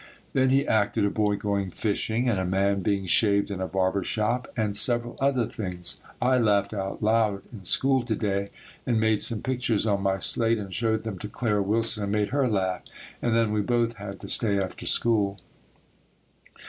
Then he acted a boy going fishing and a man being shaved in a barber shop and several other things. I laughed out loud in school to day and made some pictures on my slate and showed them to Clara Willson and made her laugh, and then we both had to stay after school.